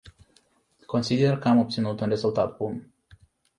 Consider că am obținut un rezultat bun.